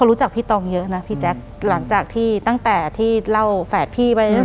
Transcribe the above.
หลังจากนั้นเราไม่ได้คุยกันนะคะเดินเข้าบ้านอืม